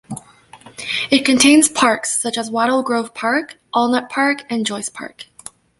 It contains parks such as Wattle Grove Park, Allnutt Park and Joyce Park.